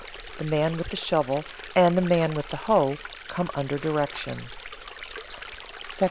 The man with the shovel and the man with the hoe come under direction. § II.